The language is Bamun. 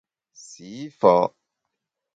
Sî fa’ !